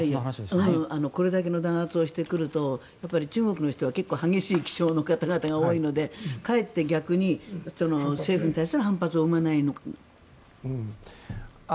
これだけの弾圧をしてくると、中国の人は結構激しい気性の方々が多いのでかえって逆に政府に対する反発を生まないのかと。